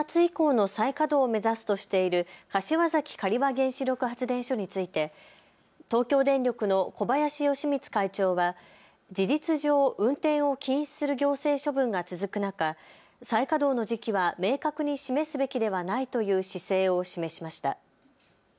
政府がことし夏以降の再稼働を目指すとしている柏崎刈羽原子力発電所について東京電力の小林喜光会長は事実上運転を禁止する行政処分が続く中、再稼働の時期は明確に示すべきではないという姿勢を示しました。